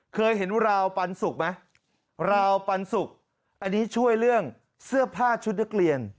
เคยเห็นราวปันสุกไหมราวปันสุกอันนี้ช่วยเรื่องเสื้อผ้าชุดนักเรียน